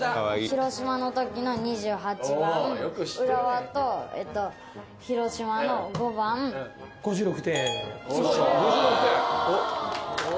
広島の時の２８番浦和と広島の５番５６点５６点⁉おっ！